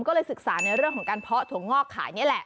ก็เลยศึกษาในเรื่องของการเพาะถั่วงอกขายนี่แหละ